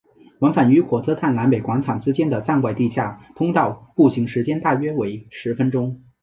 往返于火车站南北广场之间的站外地下通道步行时间大约为十分钟。